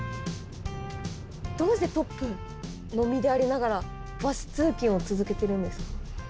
どうしてトップの身でありながらバス通勤を続けてるんですか？